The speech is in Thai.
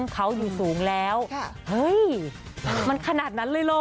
เขาอยู่สูงแล้วเฮ้ยมันขนาดนั้นเลยเหรอ